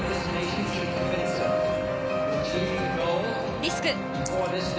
リスク。